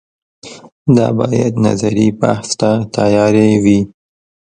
دا باید نظري بحث ته تیارې وي